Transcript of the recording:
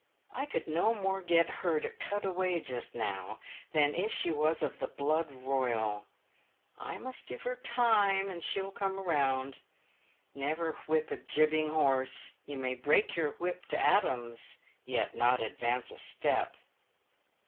I could no more get her to cut away just now than if she was of the blood royal. I must give her time, and she'll come round. Never whip a jibbing horse — you may break your whip to atoms, and yet not advance a step.